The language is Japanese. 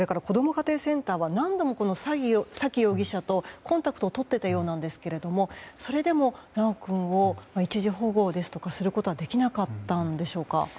家庭センターは何度も沙喜容疑者とコンタクトを取っていたようなんですがそれでも修君を一時保護ですとかすることはできなかったんでしょうか。